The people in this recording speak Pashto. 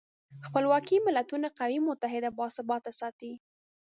خپلواکي ملتونه قوي، متحد او باثباته ساتي.